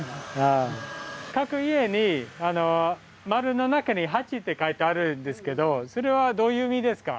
各家に円の中に八ってかいてあるんですけどそれはどういう意味ですか？